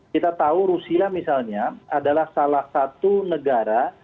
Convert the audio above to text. kita tahu rusia misalnya adalah salah satu negara